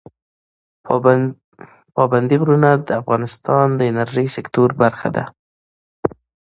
پابندی غرونه د افغانستان د انرژۍ سکتور برخه ده.